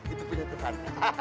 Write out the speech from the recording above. itu punya tekan